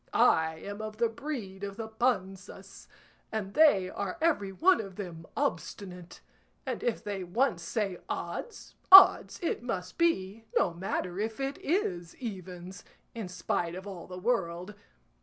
I am of the breed of the Panzas, and they are every one of them obstinate, and if they once say 'odds,' odds it must be, no matter if it is evens, in spite of all the world.